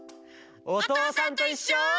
「おとうさんといっしょ」。